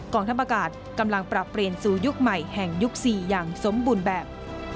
ทัพอากาศกำลังปรับเปลี่ยนสู่ยุคใหม่แห่งยุค๔อย่างสมบูรณ์แบบ